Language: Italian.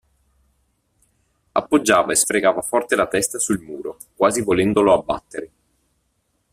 Appoggiava e sfregava forte la testa sul muro, quasi volendolo abbattere.